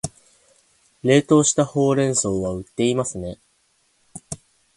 冷凍したほうれん草は売っていますね